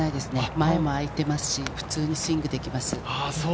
前も空いていますし普通にスイングできます。